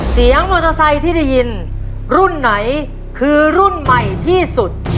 เสียงมอเตอร์ไซค์ที่ได้ยินรุ่นไหนคือรุ่นใหม่ที่สุด